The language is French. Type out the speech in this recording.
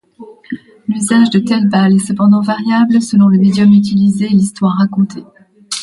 L'usage de telles balles est cependant variable selon le médium utilisé et l'histoire racontée.